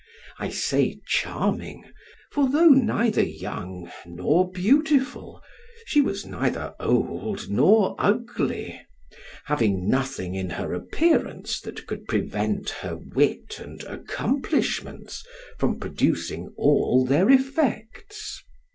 I say charming, for though neither young nor beautiful, she was neither old nor ugly, having nothing in her appearance that could prevent her wit and accomplishments from producing all their effects.